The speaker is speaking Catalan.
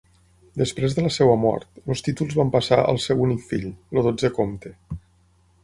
Després de la seva mort, els títols van passar al seu únic fill, el dotzè comte.